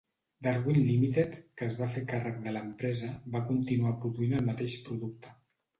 Darwin Limited, que es va fer càrrec de l'empresa, va continuar produint el mateix producte.